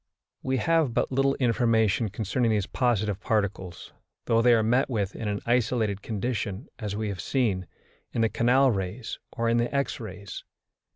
We have but little information concerning these positive particles, though they are met with in an isolated condition, as we have seen, in the canal rays or in the X rays.